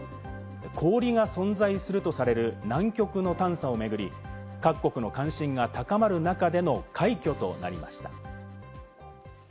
氷が存在するとされる南極の探査を巡り、各国の関心が高まる中での快挙となりました。